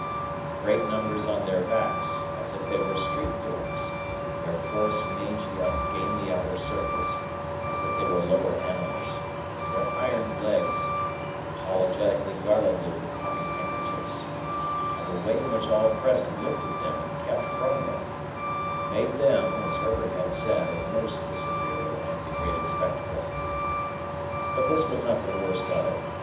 The great numbers on their backs, as if they were street doors; their coarse mangy ungainly outer surface, as if they were lower animals; their ironed legs, apologetically garlanded with pocket handkerchiefs; and the way in which all present looked at them and kept from them; made them (as Herbert had said) a most disagreeable and degraded spectacle. But this was not the worst of it.